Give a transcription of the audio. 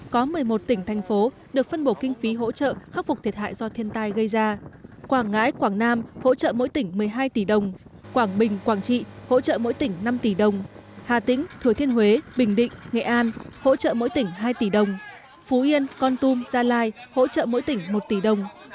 có một mươi một tỉnh thành phố được phân bổ kinh phí hỗ trợ khắc phục thiệt hại do thiên tai gây ra quảng ngãi quảng nam hỗ trợ mỗi tỉnh một mươi hai tỷ đồng quảng bình quảng trị hỗ trợ mỗi tỉnh năm tỷ đồng hà tĩnh thừa thiên huế bình định nghệ an hỗ trợ mỗi tỉnh hai tỷ đồng phú yên con tum gia lai hỗ trợ mỗi tỉnh một tỷ đồng